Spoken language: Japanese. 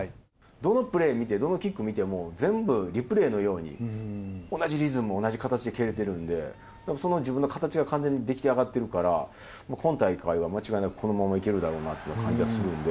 どのプレー見て、どのキック見ても、全部リプレーのように、同じリズム、同じ形で蹴れてるんで、その自分の形が完全に出来上がってるから、今大会は間違いなく、このままいけるだろうなというような感じがするんで。